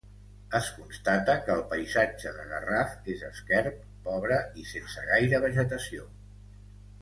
Es constata que el paisatge de Garraf és esquerp, pobre i sense gaire vegetació.